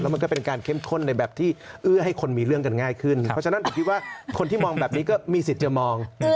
มันก็เป็นการเข้มข้นในแบบที่เอื้อให้คนมีเรื่องกันง่ายขึ้นเพราะฉะนั้นผมคิดว่าคนที่มองแบบนี้ก็มีสิทธิ์จะมอง